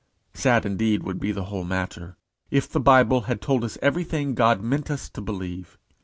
Sad, indeed, would the whole matter be, if the Bible had told us everything God meant us to believe.